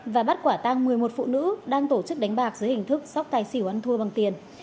và bắt quả tăng một mươi một phụ nữ đang tổ chức đánh bạc dưới hình thức sóc tài xỉu ăn thua bằng tiền